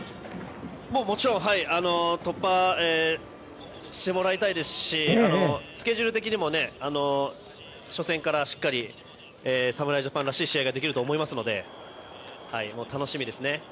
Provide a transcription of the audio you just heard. もちろん突破してもらいたいですしスケジュール的にも初戦からしっかり侍ジャパンらしい試合ができると思いますので楽しみですね。